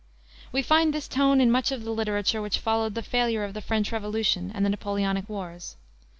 We find this tone in much of the literature which followed the failure of the French Revolution and the Napoleonic wars.